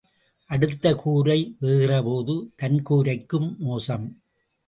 அடுத்த கூரை வேகிறபோது தன் கூரைக்கும் மோசம்.